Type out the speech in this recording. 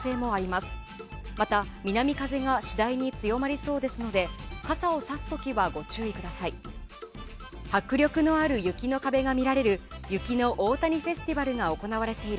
また、南風が次第に強まりそうですので傘をさす時はご注意ください。